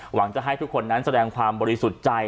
หวังจะให้ทุกคนนั้นแสดงความบริสุทธิ์ใจ